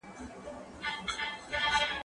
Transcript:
زه له سهاره کتابتون ته راځم!.